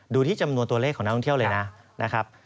ดูที่จำนวนตัวเลขของนักท่องเที่ยวเลยนะครับ